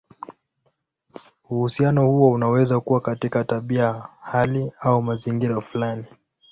Uhusiano huo unaweza kuwa katika tabia, hali, au mazingira fulani.